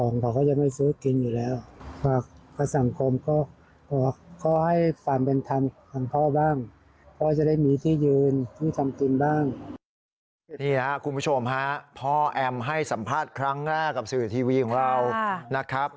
นี่คุณผู้ชมฮะพ่อแอมให้สัมภาษณ์ครั้งแรกกับสื่อทีวีของเรานะครับ